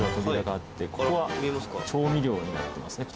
ここは調味料になってますね。